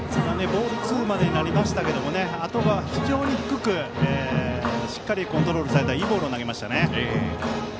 ボールツーまでなりましたけどあとは、非常に低くしっかりコントロールされたいいボールを投げましたね。